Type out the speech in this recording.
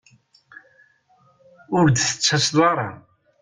Ur d-tettaseḍ ara